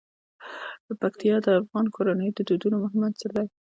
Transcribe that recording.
پکتیا د افغان کورنیو د دودونو مهم عنصر دی.